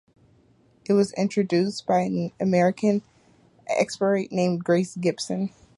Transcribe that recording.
It was introduced by an American expatriate named Grace Gibson.